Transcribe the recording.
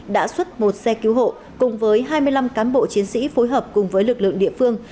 đã xuất một xe cứu hộ cùng với hai mươi năm cán bộ chiến sĩ phối hợp cùng với lực lượng địa phương